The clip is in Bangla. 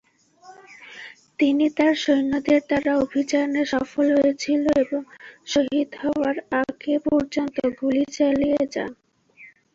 তিনি তাঁর সৈন্যদের দ্বারা অভিযানে সফল হয়েছিল এবং শহীদ হওয়ার আগে পর্যন্ত গুলি চালিয়ে যান।